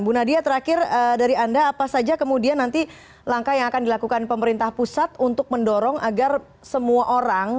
bu nadia terakhir dari anda apa saja kemudian nanti langkah yang akan dilakukan pemerintah pusat untuk mendorong agar semua orang